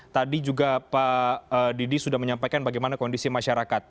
tadi juga pak didi sudah menyampaikan bagaimana kondisi masyarakat